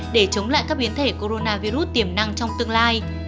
để chống lại các biến thể coronavirus tiềm năng trong tương lai